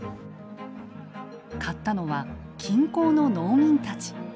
買ったのは近郊の農民たち。